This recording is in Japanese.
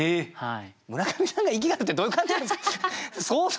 村上さんがイキがるってどういう感じなんですか？